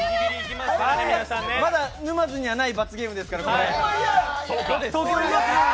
まだ沼津にはない罰ゲームですから。